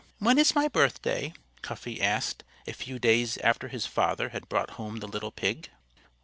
When is my birthday?" Cuffy asked, a few days after his father had brought home the little pig.